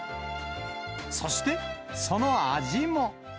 そして、その味も。